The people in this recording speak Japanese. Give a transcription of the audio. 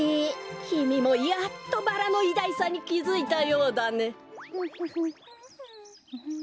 きみもやっとバラのいだいさにきづいたようだね。